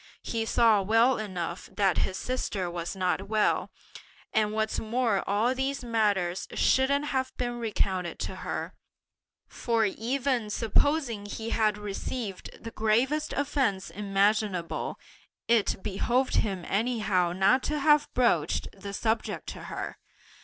He saw well enough that his sister was not well; and what's more all these matters shouldn't have been recounted to her; for even supposing he had received the gravest offences imaginable, it behoved him anyhow not to have broached the subject to her!